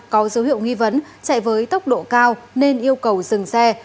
có dấu hiệu nghi vấn chạy với tốc độ cao nên yêu cầu dừng xe